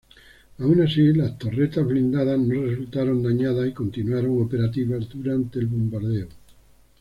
Aun así las torretas blindadas no resultaron dañadas y continuaron operativas durante el bombardeo.